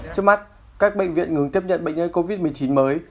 trước mắt các bệnh viện ngừng tiếp nhận bệnh nhân covid một mươi chín mới